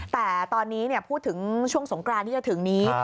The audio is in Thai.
แต่ตอนนี้พูดถึงช่วงสงกรานที่จะถึงนี้